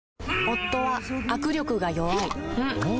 夫は握力が弱い